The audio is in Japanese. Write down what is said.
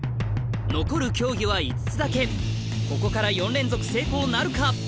残る競技は５つだけここから４連続成功なるか？